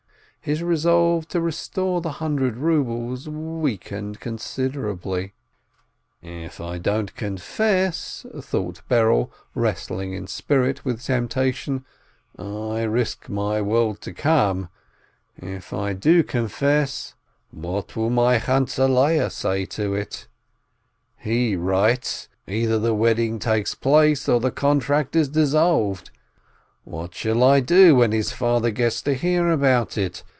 His resolve to restore the hundred rubles weakened con siderably. "If I don't confess," thought Berel, wrestling in spirit with temptation, "I risk my world to come ... If I do confess, what will my Chantzeh Leah say to it? He writes, either the wedding takes place, or the contract is dissolved ! And what shall I do, when his father gets to hear about it?